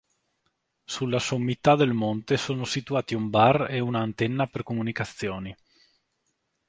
Sulla sommità del monte sono situati un bar e una antenna per comunicazioni.